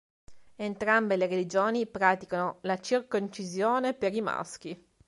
Entrambe le religioni praticano la circoncisione per i maschi.